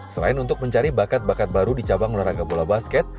selain untuk mencari bakat bakat baru di cabang olahraga bola basket